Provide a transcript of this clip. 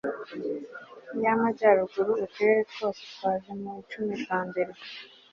y amajyaruguru uturere twose twaje mu icumi ba mbere